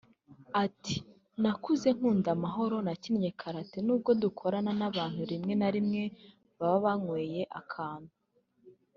Ati “Nakuze nkunda amahoro nakinnye karate n’ubwo dukorana n’abantu rime na rimwe baba banyweye akantu